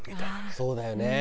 そうだよね。